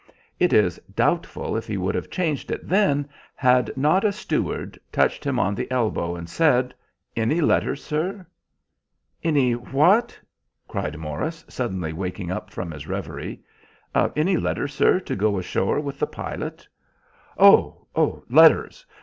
It is doubtful if he would have changed it then, had not a steward touched him on the elbow, and said— "Any letters, sir?" "Any what?" cried Morris, suddenly waking up from his reverie. "Any letters, sir, to go ashore with the pilot?" "Oh, letters.